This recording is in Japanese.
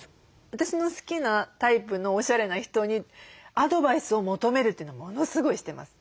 私の好きなタイプのおしゃれな人にアドバイスを求めるというのをものすごいしてます。